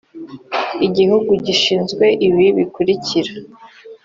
igihugu gishinzwe ibi bikurikira